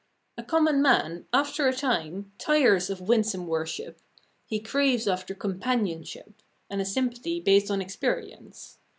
A common man, after a time, tires of winsome worship; he craves after companionship, and a sympathy based on experience.